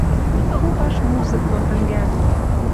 Мӹнь попаш музык дон тӹнгӓлнем.